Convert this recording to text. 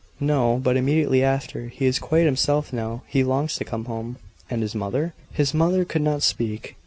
"No; but immediately after. He is quite himself now. He longs to come home." "And his mother?" His mother could not speak.